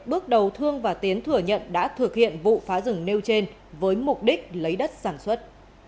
bước đầu thương và tiến thừa nhận đã thực hiện vụ phá rừng nêu trên với mục đích lấy đất sản xuất